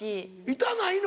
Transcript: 痛ないの？